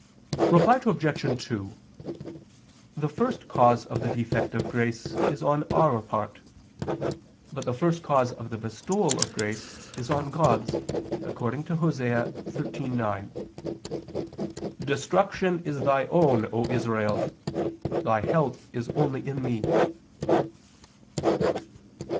Reply Obj. 2: The first cause of the defect of grace is on our part; but the first cause of the bestowal of grace is on God's according to Osee 13:9: "Destruction is thy own, O Israel; thy help is only in Me."